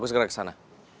aku sekarang kesana